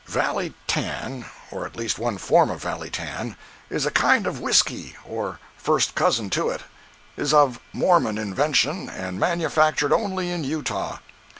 Valley tan (or, at least, one form of valley tan) is a kind of whisky, or first cousin to it; is of Mormon invention and manufactured only in Utah.